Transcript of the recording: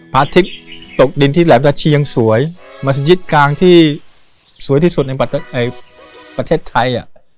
อาทิตย์ตกดินที่แหลมดาเชียงสวยมัศยิตกลางที่สวยที่สุดในประเทศไทย